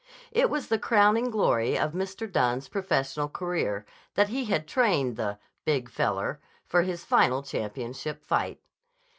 It was the crowning glory of Mr. Dunne's professional career that he had trained the "Big Feller" for his final championship fight.